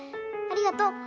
ありがと。